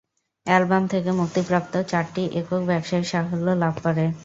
Album থেকে মুক্তিপ্রাপ্ত চারটি একক ব্যবসায়িক সাফল্য লাভ করে।